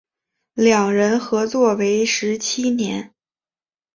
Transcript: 两人合作为时七年。